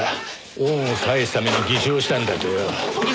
恩を返すために偽証したんだとよ。